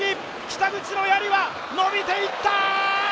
北口のやりはのびていった！